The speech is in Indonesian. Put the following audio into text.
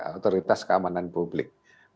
otoritas keamanan publik